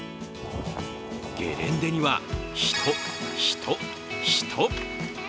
ゲレンデには人、人、人。